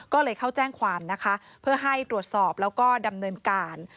ก็เลยเข้าแจ้งความนะคะเพื่อให้ตรวจสอบแล้วก็ดำเนินการ